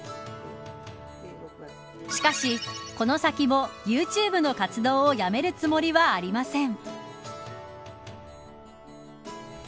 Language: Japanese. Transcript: しかし、この先もユーチューブの活動をやめるつもりはありません。